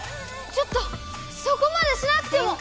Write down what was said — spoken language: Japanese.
ちょっとそこまでしなくても！